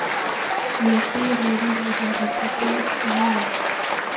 لِيَصِيرُوا لَهُ بَعْدَ الْخُصُومَةِ أَعْوَانًا